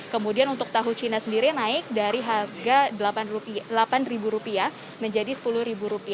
kemudian untuk tahu cina sendiri naik dari harga rp delapan menjadi rp sepuluh